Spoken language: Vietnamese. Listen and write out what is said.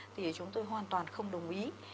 thì chúng tôi hoàn toàn không đồng ý